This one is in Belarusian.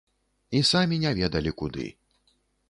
І самі не ведалі куды.